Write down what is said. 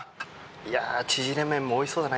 縮れ麺もおいしそうだな。